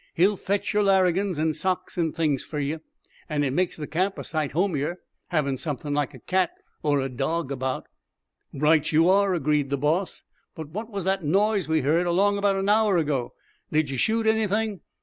He'll fetch yer larrigans an' socks an' things fer ye. An' it makes the camp a sight homier, havin' somethin' like a cat or a dawg about." "Right you are!" agreed the boss. "But what was that noise we heard, along about an hour back? Did you shoot anything?"